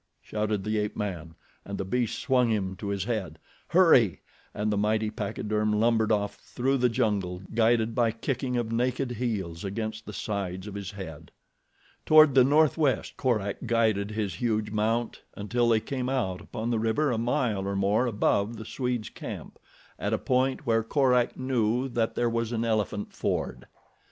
shouted the ape man, and the beast swung him to his head. "Hurry!" and the mighty pachyderm lumbered off through the jungle, guided by kicking of naked heels against the sides of his head. Toward the northwest Korak guided his huge mount, until they came out upon the river a mile or more above the Swede's camp, at a point where Korak knew that there was an elephant ford.